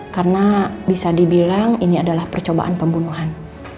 karena bisa dibilang ini adalah percobaan pembunuhan